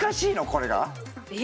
これが？え